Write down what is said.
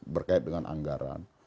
berkait dengan anggaran